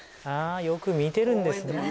ああよく見てるんですね